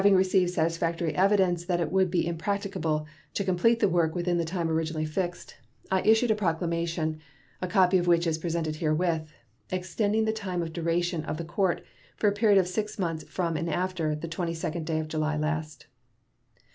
Having received satisfactory evidence that it would be impracticable to complete the work within the time originally fixed, I issued a proclamation (a copy of which is presented herewith) extending the time of duration of the court for a period of six months from and after the 22d day of July last.